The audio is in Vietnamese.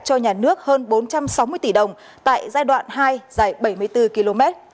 cho nhà nước hơn bốn trăm sáu mươi tỷ đồng tại giai đoạn hai dài bảy mươi bốn km